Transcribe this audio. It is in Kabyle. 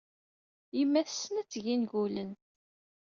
Yemma tessen ad d-teg ingulen.